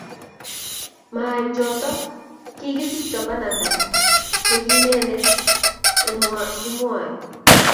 Maem choto, kikisikto bananda nekindet nemakimwoe